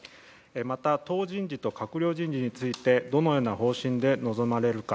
また、党人事と閣僚人事についてどのような方針で臨まれるか。